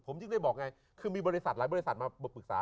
ผมจึงได้บอกไงคือมีบริษัทหลายบริษัทมาปรึกษา